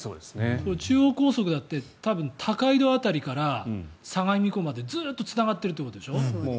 中央高速だって多分、高井戸辺りから相模湖までずっとつながってるってことでしょ